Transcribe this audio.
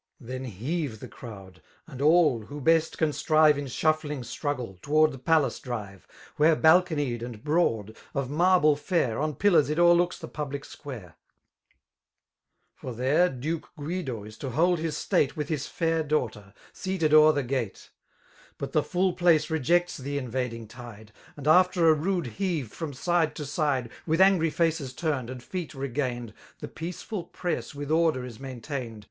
Then heave tifie crowd; and all^ who best can strive In shuffling struggle, tow'rd the palace drive. TVhere baloonkd and broads of marble &sr^ On piUars it o'eriodiB the public square ^ For there Duke Guido is to hold his state With his fair daughter^ seated o'er the gate: — But the full place rcpects the invading tide; And after a rude heave from side to side^ With angry faces turned^ and feet regained. The peaceful press with order is maintained.